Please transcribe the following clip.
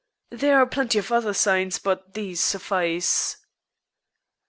There are plenty of other signs, but these suffice."